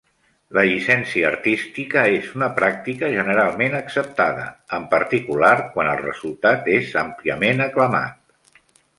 La llicència artística és una pràctica generalment acceptada, en particular quan el resultat és àmpliament aclamat.